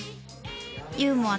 ユーモア